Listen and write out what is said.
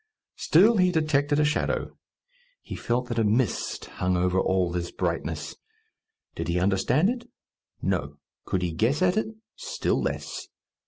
Still he detected a shadow; he felt that a mist hung over all this brightness. Did he understand it? No. Could he guess at it? Still less.